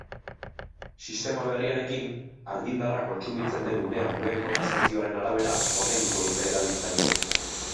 Sistema berriarekin, argindarra kontsumitzen den unean duen kotizazioaren arabera ordainduko dute erabiltzaileek.